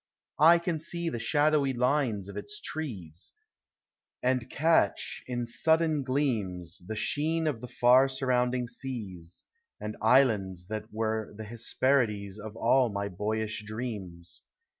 I can see the shadowy lines of its trees, And catch, in sudden gleams, The sheen of the far surrounding seas, And islands that were the Ilesjierides Of all mv boyish dreams.